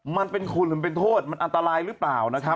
มันเป็นคนหรือมันเป็นโทษมันอันตรายหรือเปล่านะครับ